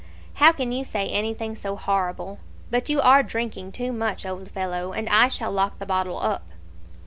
"How can you say anything so horrible? But you are drinking too much, old fellow, and I shall lock the bottle up."